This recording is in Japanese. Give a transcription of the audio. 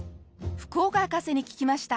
福岡博士に聞きました。